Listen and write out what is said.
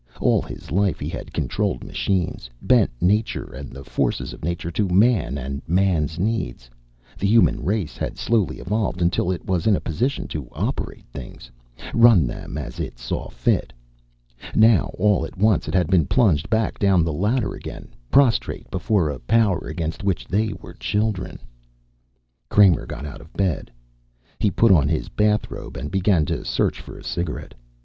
All his life he had controlled machines, bent nature and the forces of nature to man and man's needs. The human race had slowly evolved until it was in a position to operate things, run them as it saw fit. Now all at once it had been plunged back down the ladder again, prostrate before a Power against which they were children. Kramer got out of bed. He put on his bathrobe and began to search for a cigarette.